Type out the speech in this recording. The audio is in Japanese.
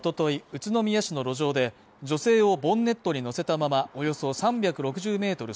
宇都宮市の路上で女性をボンネットに乗せたままおよそ３６０メートル